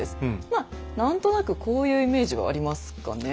まあ何となくこういうイメージはありますかね